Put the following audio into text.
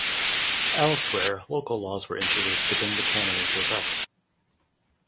Elsewhere, local laws were introduced to bring the canon into effect.